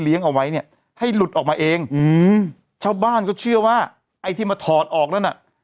เลี้ยงเอาไว้เนี่ยให้หลุดออกมาเองเช่าบ้านก็เชื่อว่าไอ้ที่มาถอดออกแล้วนะ